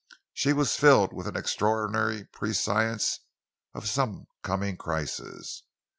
She was filled with an extraordinary prescience of some coming crisis.